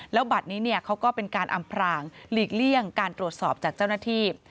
แล้วบัตรนี้เขาก็เป็นการอำพรางหลีกเลี่ยงการตรวจสอบจากเจ้าหน้าที่